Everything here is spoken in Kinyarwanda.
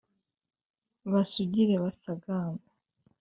basugire basagambe